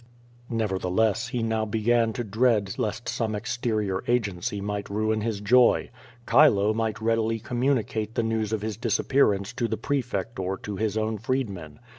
Nevertheless, he now began to dread lest some exterior agency might ruin his joy. Chilo might readily communicat'* Ihe news of his disappearance to the prefect or to his own freedmen.